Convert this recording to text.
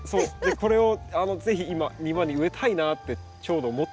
これを是非今庭に植えたいなってちょうど思ってたんですよ。